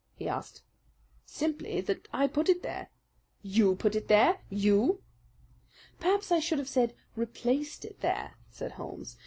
he asked. "Simply that I put it there." "You put it there! You!" "Perhaps I should have said 'replaced it there,'" said Holmes.